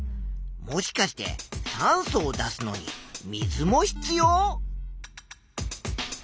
もしかして酸素を出すのに水も必要？